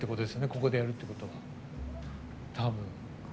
ここでやるってことは、多分。